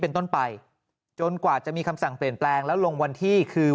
เป็นต้นไปจนกว่าจะมีคำสั่งเปลี่ยนแปลงแล้วลงวันที่คือ